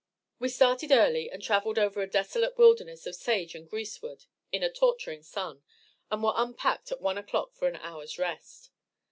We started early and traveled over a desolate wilderness of sage and greasewood in a torturing sun, and were unpacked at one o'clock for an hour's rest.